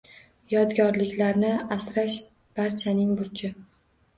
Yodgorliklarni asrash barchaning burchi